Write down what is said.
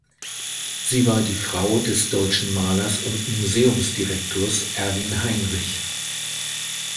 Sie war die Frau des deutschen Malers und Museumsdirektors Erwin Heinrich.